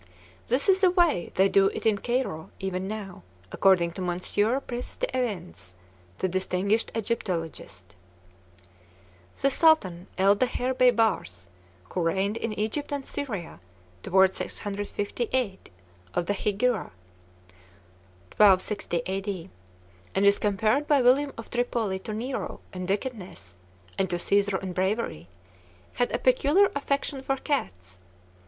This is the way they do it in Cairo even now, according to Monsieur Prisse d'Avennes, the distinguished Egyptologist: "The Sultan, El Daher Beybars, who reigned in Egypt and Syria toward 658 of the Hegira (1260 A.D.) and is compared by William of Tripoli to Nero in wickedness, and to Caesar in bravery, had a peculiar affection for cats.